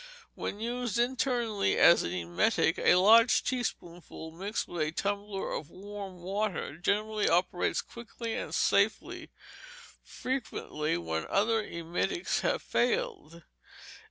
When used internally as an emetic, a large teaspoonful mixed with a tumbler of warm water generally operates quickly and safely, frequently when other emetics have failed.